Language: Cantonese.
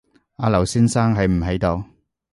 阿劉先生喺唔喺度